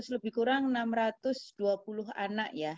lebih kurang enam ratus dua puluh anak ya